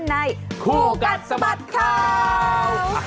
ในคู่กัดสะบัดข่าว